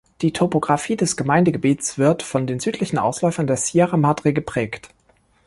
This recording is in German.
Die Topographie des Gemeindegebiets wird von den südlichen Ausläufern der Sierra Madre geprägt.